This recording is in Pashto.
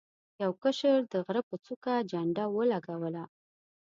یو کشر د غره په څوکه جنډه ولګوله.